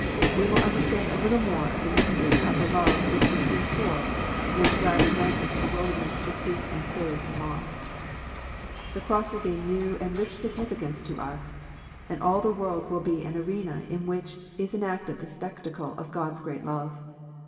We will understand a little more of the mystery of the Love which became poor, which gladly went into the wilder ness to seek and to save the lost. The cross will gain new and rich significance to us, and all the world will be an arena in which is enacted the spectacle of God's great love.